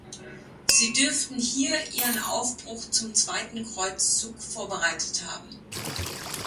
Sie dürften hier ihren Aufbruch zum Zweiten Kreuzzug vorbereitet haben.